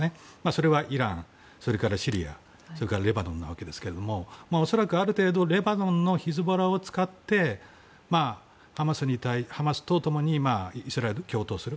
それはイラン、シリア、レバノンですが恐らくある程度レバノンのヒズボラを使ってハマスと共にイスラエルと共闘する。